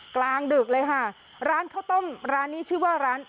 กลางดึกเลยค่ะร้านข้าวต้มร้านนี้ชื่อว่าร้าน